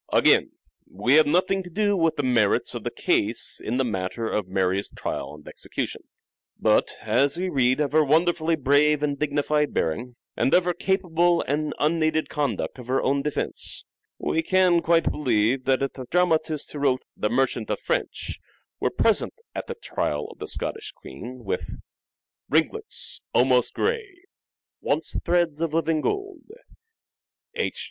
Again, we have nothing to do with the merits of the case in the matter of Mary's trial and execution ; but, as we read of her wonderfully brave and dignified bearing, and of her capable and unaided conduct of her own defence, we can quite believe that if the dramatist who wrote the " Merchant of Venice " was present at the trial of the Scottish Queen, with "ringlets, almost grey, once threads of living gold," (H.